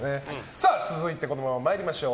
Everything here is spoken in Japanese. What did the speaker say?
続いて、このまま参りましょう。